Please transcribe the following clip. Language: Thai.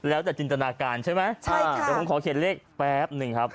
แล้วแต่จินตนาการใช่ไหมใช่เดี๋ยวผมขอเขียนเลขแป๊บหนึ่งครับ